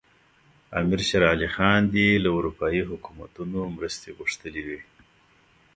امیر شېر علي خان دې له اروپایي حکومتونو مرستې غوښتلي وي.